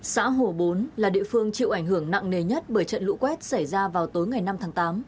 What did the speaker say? xã hồ bốn là địa phương chịu ảnh hưởng nặng nề nhất bởi trận lũ quét xảy ra vào tối ngày năm tháng tám